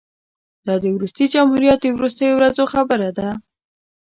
دا د وروستي جمهوریت د وروستیو ورځو خبره ده.